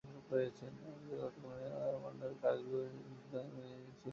এমনকি তৎকালীন সেনাপ্রধান জেনারেল পারভেজ মোশাররফের কারগিল অভিযানও তারা নির্দ্বিধায় মেনে নিয়েছিল।